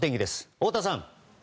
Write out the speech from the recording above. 太田さん。